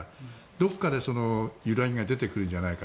どこかで揺らぎが出てくるんじゃないか。